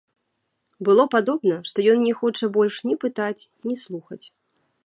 Было падобна, што ён не хоча больш ні пытаць, ні слухаць.